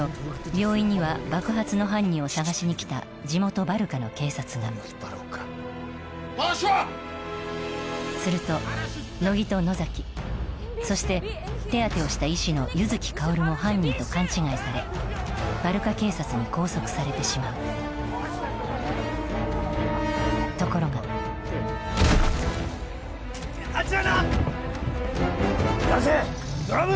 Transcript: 病院には爆発の犯人を探しに来た地元バルカの警察がすると乃木と野崎そして手当てをした医師の柚木薫も犯人と勘違いされバルカ警察に拘束されてしまうところが出せドラム！